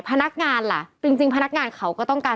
พนักงานล่ะจริงพนักงานเขาก็ต้องการ